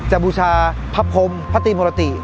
จะบูชาพภคมพฤติมรติ